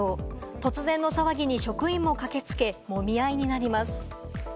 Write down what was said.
突然の騒ぎに職員も駆けつけ、もみ合いになります。